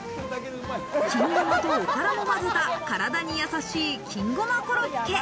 金ごまと、おからも混ぜた体にやさしい金ごまコロッケ。